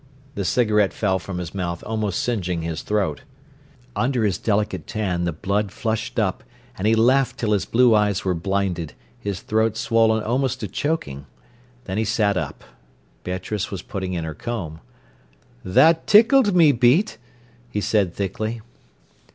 The cigarette fell from his mouth almost singeing his throat. Under his delicate tan the blood flushed up, and he laughed till his blue eyes were blinded, his throat swollen almost to choking. Then he sat up. Beatrice was putting in her comb. "Tha tickled me, Beat," he said thickly.